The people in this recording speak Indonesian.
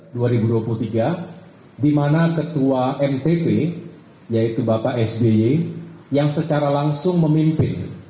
di tahun dua ribu dua puluh tiga di mana ketua mtp yaitu bapak sby yang secara langsung memimpin